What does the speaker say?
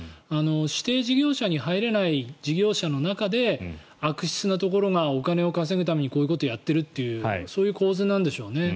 指定事業者に入れない事業者の中で悪質なところがお金を稼ぐためにこういうことをやっているというそういう構図なんでしょうね。